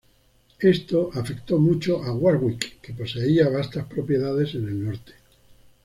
Esto afectó mucho a Warwick, que poseía vastas propiedades en el norte.